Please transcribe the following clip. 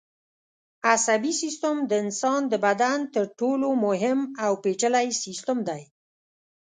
عصبي سیستم د انسان د بدن تر ټولو مهم او پېچلی سیستم دی.